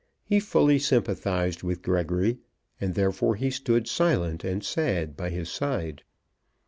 He fully sympathised with Gregory; and therefore he stood silent and sad by his side.